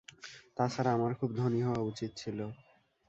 তা ছাড়া, আমার খুব ধনী হওয়া উচিত ছিল।